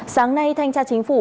sáng nay thanh tra chính phủ